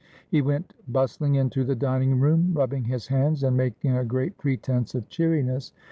He went bustling into the dining room, rubbing his hands, and making a great pretence of cheeriness.